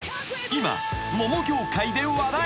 ［今桃業界で話題］